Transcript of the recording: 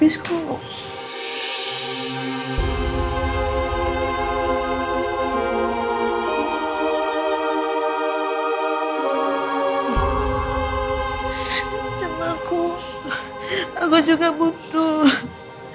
aku juga butuh